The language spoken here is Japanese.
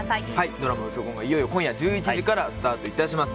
ドラマ「ウソ婚」がいよいよ今夜１１時からスタートします。